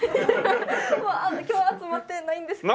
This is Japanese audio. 今日集まってないんですけど。